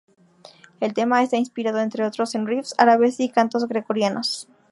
El tema está inspirado entre otros, en "riffs" árabes y cantos gregorianos.